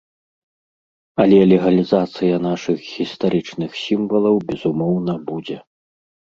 Але легалізацыя нашых гістарычных сімвалаў, безумоўна, будзе.